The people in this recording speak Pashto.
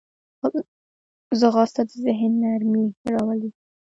ځغاسته د ذهن نرمي راولي